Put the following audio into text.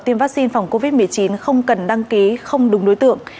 tiêm vaccine phòng covid một mươi chín không cần đăng ký không đúng đối tượng